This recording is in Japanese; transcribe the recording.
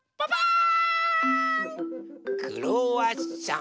クロワッサン。